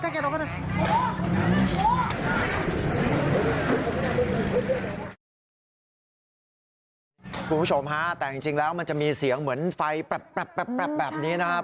คุณผู้ชมฮะแต่จริงแล้วมันจะมีเสียงเหมือนไฟแป๊บแบบนี้นะครับ